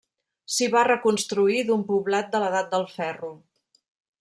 S'hi va reconstruir d'un poblat de l'edat del ferro.